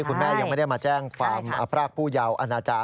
คุณแม่ยังไม่ได้มาแจ้งความพรากผู้เยาว์อาณาจาร